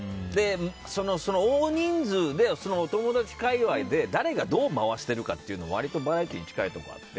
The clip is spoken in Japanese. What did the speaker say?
その大人数でお友達界隈で誰がどう回してるかっていうのは割とバラエティーに近いところあって。